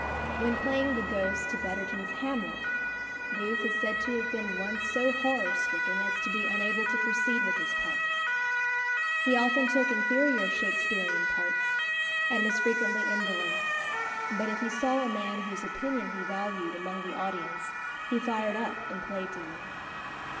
When playing the Ghost to Betterton's Hamlet, Booth is said to have been once so horror stricken as to be unable to proceed with his part. He often took inferior Shaksperean parts, and was frequently indolent; but if he saw a man whose opinion he valued among the audience he fired up and played to him.